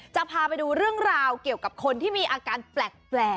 จะพาไปดูเรื่องราวเกี่ยวกับคนที่มีอาการแปลก